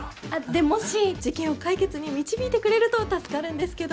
でもし事件を解決に導いてくれると助かるんですけど。